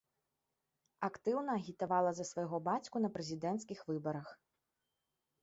Актыўна агітавала за свайго бацьку на прэзідэнцкіх выбарах.